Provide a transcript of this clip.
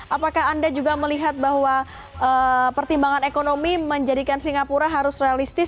apakah anda juga melihat bahwa pertimbangan ekonomi menjadikan singapura harus realistis